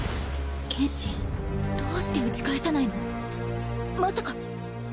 どうして打ち返さないの？まさか